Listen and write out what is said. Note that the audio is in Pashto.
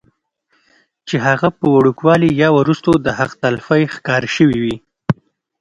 چې هغه پۀ وړوکوالي يا وروستو د حق تلفۍ ښکار شوي وي